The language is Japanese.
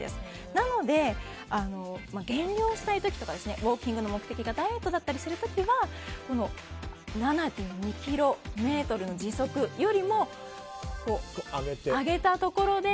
なので、減量したい時とかウォーキングの目的がダイエットだったりする時は７．２キロメートルの時速よりも上げたところで。